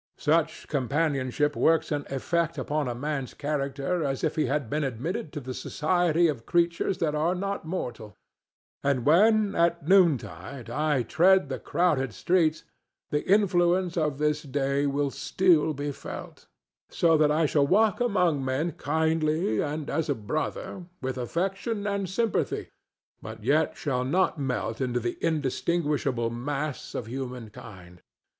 Such companionship works an effect upon a man's character as if he had been admitted to the society of creatures that are not mortal. And when, at noontide, I tread the crowded streets, the influence of this day will still be felt; so that I shall walk among men kindly and as a brother, with affection and sympathy, but yet shall not melt into the indistinguishable mass of humankind.